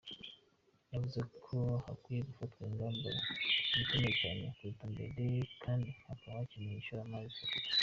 Yavuze ko hakwiye gufatwa ingamba zikomeye cyane kuruta mbere kandi bikaba bikeneye ishoramari rifatika.